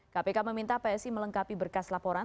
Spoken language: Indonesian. kpk meminta psi melengkapi berkas laporan